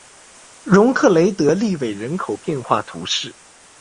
容克雷德利韦人口变化图示